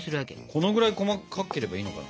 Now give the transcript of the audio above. このぐらい細かければいいのかな？